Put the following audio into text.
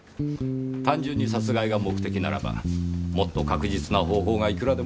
単純に殺害が目的ならばもっと確実な方法がいくらでもあります。